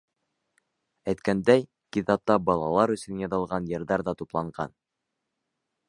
Әйткәндәй, китапта балалар өсөн яҙылған йырҙар ҙа тупланған.